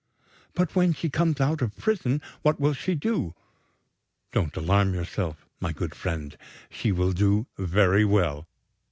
"But when she comes out of prison, what will she do?" "Don't alarm yourself, my good friend. She will do very well."